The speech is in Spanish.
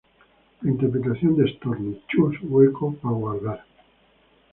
La interpretación de Storni: "Chus", hueco; "pa", guardar.